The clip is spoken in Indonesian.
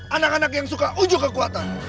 anak anak yang suka ujuk kekuatan